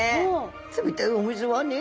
冷たいお水はね